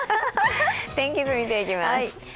天気図を見ていきます。